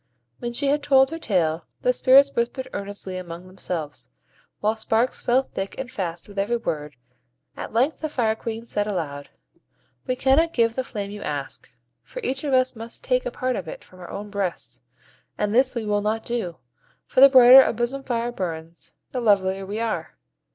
When she had told her tale, the spirits whispered earnestly among themselves, while sparks fell thick and fast with every word; at length the Fire Queen said aloud,— "We cannot give the flame you ask, for each of us must take a part of it from our own breasts; and this we will not do, for the brighter our bosom fire burns, the lovelier we are.